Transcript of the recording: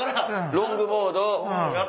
ロングボード。